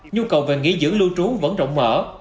nhu cầu về nghỉ dưỡng lưu trú vẫn rộng mở